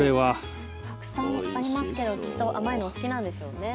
たくさんありますけど甘いのお好きなんでしょうね。